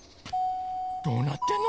どうなってんの？